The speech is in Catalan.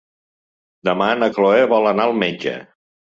Demà na Chloé vol anar al metge.